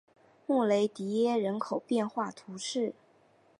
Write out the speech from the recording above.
穆雷迪耶人口变化图示